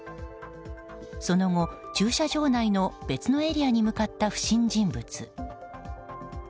その後、駐車場内の別のエリアに向かった不審人物。